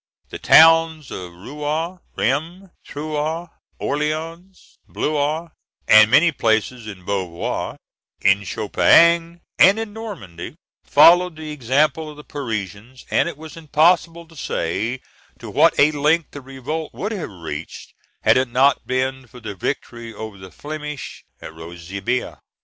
The towns of Rouen, Rheims, Troyes, Orleans, and Blois, many places in Beauvoise, in Champagne, and in Normandy, followed the example of the Parisians, and it is impossible to say to what a length the revolt would have reached had it not been for the victory over the Flemish at Rosebecque.